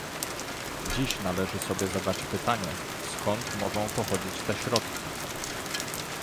Dziś należy sobie zadać pytanie, skąd mogą pochodzić te środki